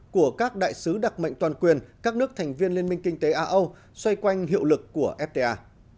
của các đại sứ đặc mệnh toàn quyền các nước thành viên liên minh kinh tế a âu xoay quanh hiệu lực của fta